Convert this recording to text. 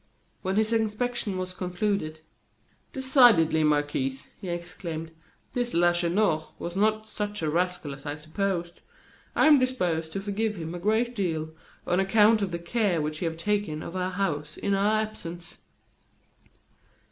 When his inspection was concluded: "Decidedly, Marquis," he exclaimed, "this Lacheneur was not such a rascal as I supposed. I am disposed to forgive him a great deal, on account of the care which he has taken of our house in our absence."